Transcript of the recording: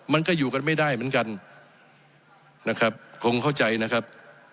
มันก็อยู่กันไม่ได้เหมือนกันนะครับคงเข้าใจนะครับ